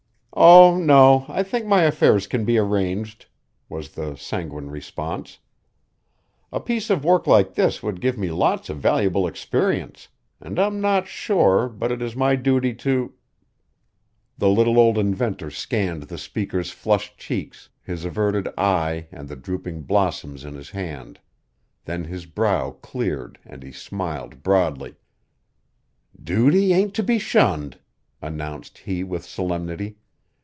"Oh, no, I think my affairs can be arranged," was the sanguine response. "A piece of work like this would give me lots of valuable experience, and I'm not sure but it is my duty to " The little old inventor scanned the speaker's flushed cheeks, his averted eye and the drooping blossoms in his hand; then his brow cleared and he smiled broadly: "Duty ain't to be shunned," announced he with solemnity.